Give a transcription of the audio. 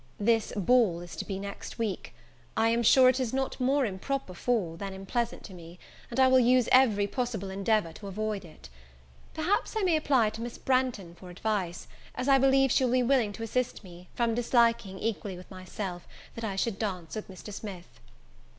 This ball is to be next week. I am sure it is not more improper for, than unpleasant to me, and I will use every possible endeavour to avoid it. Perhaps I may apply to Miss Branghton for advice, as I believe she will be willing to assist me, from disliking, equally with myself, that I should dance with Mr. Smith.